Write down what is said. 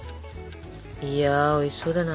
いやおいしそうだな